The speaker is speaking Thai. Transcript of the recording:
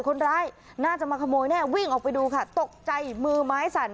คนร้ายน่าจะมาขโมยแน่วิ่งออกไปดูค่ะตกใจมือไม้สั่น